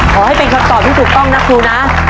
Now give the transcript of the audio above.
ขอให้เป็นคำตอบที่ถูกต้องนะครูนะ